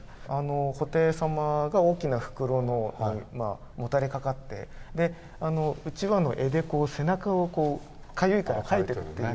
布袋様が大きな袋にもたれかかってうちわの柄で背中がかゆいからかいてるっていう。